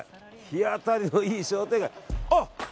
日当たりのいい商店街。